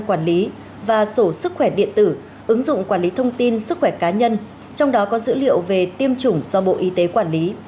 quản lý và sổ sức khỏe điện tử ứng dụng quản lý thông tin sức khỏe cá nhân trong đó có dữ liệu về tiêm chủng do bộ y tế quản lý